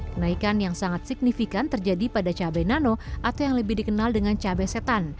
kenaikan yang sangat signifikan terjadi pada cabai nano atau yang lebih dikenal dengan cabai setan